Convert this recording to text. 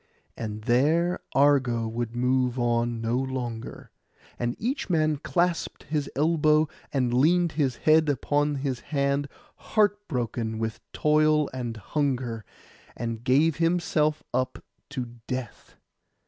{131b} And there Argo would move on no longer; and each man clasped his elbow, and leaned his head upon his hand, heart broken with toil and hunger, and gave himself up to death.